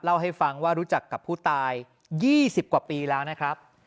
เล่าให้ฟังว่ารู้จักกับผู้ตาย๒๐กว่าปีแล้วนะครับ